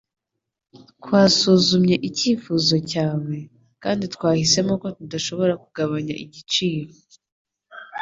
Twasuzumye icyifuzo cyawe, kandi twahisemo ko tudashobora kugabanya igiciro.